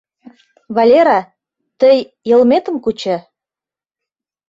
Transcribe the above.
Валера, тый йылметым кучо.